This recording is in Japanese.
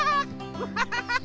アハハハハ！